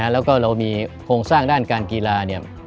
แล้วก็เรามีโครงสร้างด้านการกีฬา